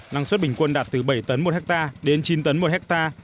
năng suất bình quân đạt từ bảy tấn một ha đến chín tấn một ha